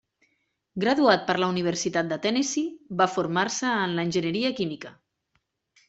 Graduat per la Universitat de Tennessee, va formar-se en enginyeria química.